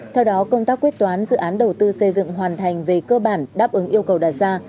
theo đó công tác quyết toán dự án đầu tư xây dựng hoàn thành về cơ bản đáp ứng yêu cầu đạt ra